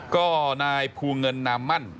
ก็นายภูเงินนามมั่น